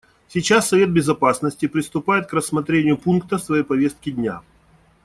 Сейчас Совет Безопасности приступает к рассмотрению пункта своей повестки дня.